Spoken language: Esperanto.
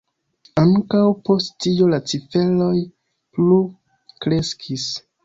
Ankaŭ post tio la ciferoj plu kreskis.